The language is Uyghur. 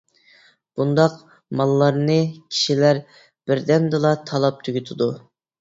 بۇنداق ماللارنى كىشىلەر بىردەمدىلا تالاپ تۈگىتىدۇ.